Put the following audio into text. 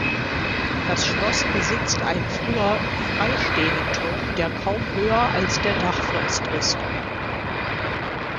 Das Schloss besitzt einen früher freistehenden Turm, der kaum höher als der Dachfirst ist.